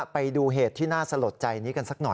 ไปดูเหตุที่น่าสลดใจนี้กันสักหน่อย